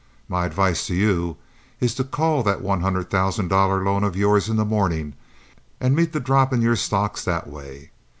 My advice to you is to call that one hundred thousand dollar loan of yours in the morning, and meet the drop in your stocks that way.